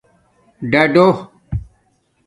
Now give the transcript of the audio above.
ڈُݸ ڈُݸ